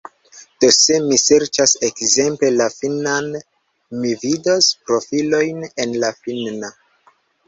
Do, se mi serĉas ekzemple la finnan, mi vidos profilojn en la finna.